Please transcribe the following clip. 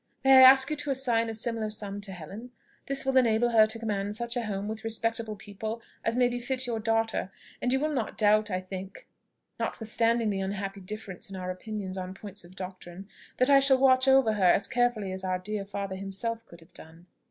May I ask you to assign a similar sum to Helen? This will enable her to command such a home with respectable people as may befit your daughter; and you will not doubt, I think, notwithstanding the unhappy difference in our opinions on points of doctrine, that I shall watch over her as carefully as our dear father himself could have done."